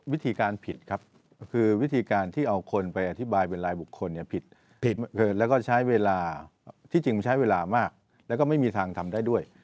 วิธีการผิดครับคือวิธีการที่เอาคนไปอธิบายเป็นรายบุคคลเนี่ยผิดแล้วก็ใช้เวลาที่จริงมันใช้เวลามากแล้วก็ไม่มีทางทำได้ด้วย